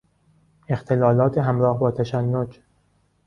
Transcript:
اختلالات همراه با تشنج